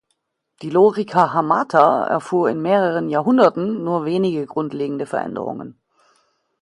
Die Lorica Hamata erfuhr in mehreren Jahrhunderten nur wenige grundlegende Veränderungen.